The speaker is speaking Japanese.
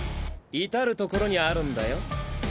至る所にあるんだよ。